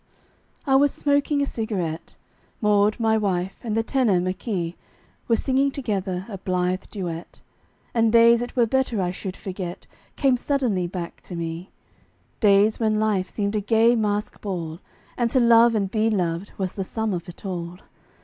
I was smoking a cigarette; Maud, my wife, and the tenor, McKey, Were singing together a blithe duet, And days it were better I should forget Came suddenly back to me Days when life seemed a gay masque ball, And to love and be loved was the sum of it all.